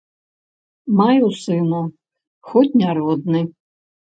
Маю сына, хоць не родны.